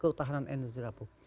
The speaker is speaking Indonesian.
ketahanan energi rapuh